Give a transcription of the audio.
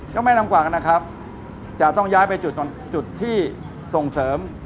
เจ้าแม่นังกวักจะต้องย้ายไปจุดที่ส่งเสริม